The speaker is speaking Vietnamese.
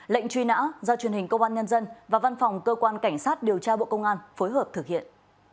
lệnh truy nã do truyền hình công an nhân dân và văn phòng cơ quan cảnh sát điều tra bộ công an phối hợp thực hiện